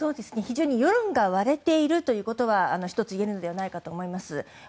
非常に世論が割れているということは１つ、言えるのではないかと思います。